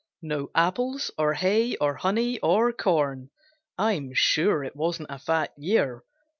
No apples, or hay, or honey, or corn; I'm sure it wasn't a fat year.